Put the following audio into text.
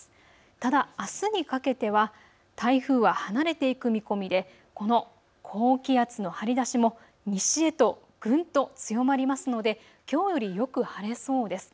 ただあすにかけては台風は離れていく見込みでこの高気圧の張り出しも西へとぐんと強まりますのできょうよりよく晴れそうです。